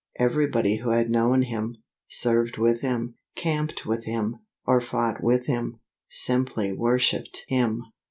Everybody who had known him, served with him, camped with him, or fought with him, simply worshipped him.